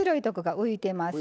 浮いてますね。